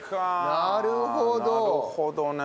なるほどね。